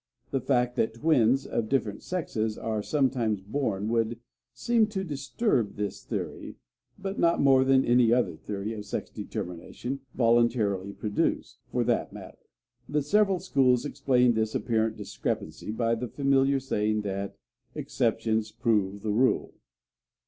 The fact that twins of different sexes are sometimes born would seem to disturb this theory but not more than any other theory of sex determination voluntarily produced, for that matter. The several schools explain this apparent discrepancy by the familiar saying that "exceptions prove the rule."